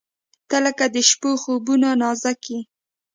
• ته لکه د شپو خوبونه نازک یې.